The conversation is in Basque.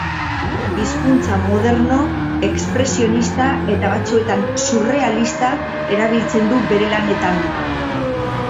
Hizkuntza moderno, expresionista eta batzuetan surrealista erabiltzen du bere lanetan.